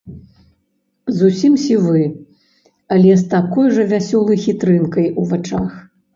Зусім сівы, але з такой жа вясёлай хітрынкай у вачах.